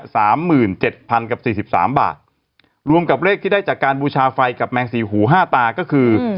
สามหมื่นเจ็ดพันกับสี่สิบสามบาทรวมกับเลขที่ได้จากการบูชาไฟกับแมงสี่หูห้าตาก็คือ